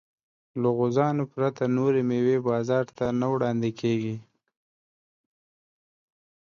له غوزانو پرته نورې مېوې بازار ته نه وړاندې کېږي.